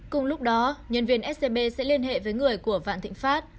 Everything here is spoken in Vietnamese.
cùng lúc đó nhân viên scb sẽ liên hệ với người của vạn thịnh pháp